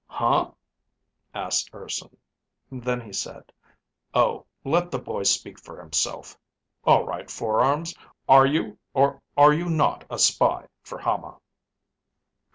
"Huh?" asked Urson. Then he said, "Oh, let the boy speak for himself. All right, Four Arms, are you or are you not a spy for Hama?"